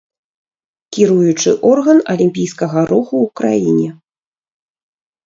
Кіруючы орган алімпійскага руху ў краіне.